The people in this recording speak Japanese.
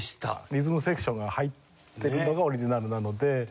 リズム・セクションが入ってるのがオリジナルなので。